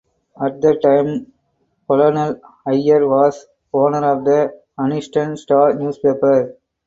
At that time Colonel Ayers was owner of the Anniston Star newspaper.